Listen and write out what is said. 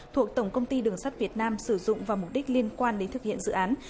thuộc tổng công ty đường sắt việt nam sử dụng vào mục đích liên quan đến thực hiện dự án